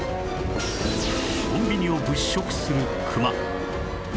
コンビニを物色するクマ